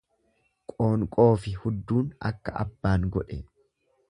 Qoonqoofi hudduun akka abbaan godhe.